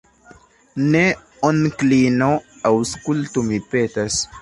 Ne, onklino, aŭskultu, mi petas.